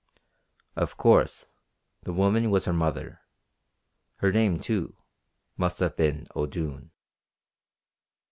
Of course the woman was her mother. Her name, too, must have been O'Doone.